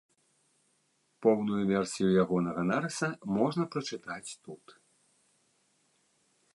Поўную версію ягонага нарыса можна прачытаць тут.